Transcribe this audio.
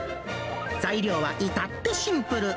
材料はいたってシンプル。